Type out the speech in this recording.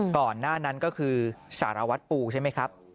ก่อนหน้านั้นก็คือสารวัตรปูใช่ไหมครับ